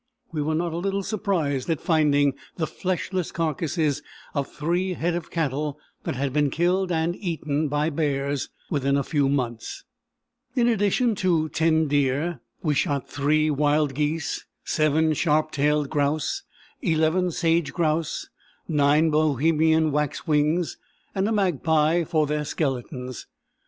We were not a little surprised at finding the fleshless carcasses of three head of cattle that had been killed and eaten by bears within a few months. In addition to ten deer, we shot three wild geese, seven sharp tailed grouse, eleven sage grouse, nine Bohemian waxwings, and a magpie, for their skeletons.